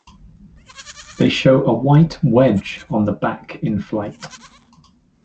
They show a white wedge on the back in flight.